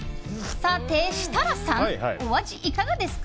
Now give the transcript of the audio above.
設楽さん、お味いかがでですか？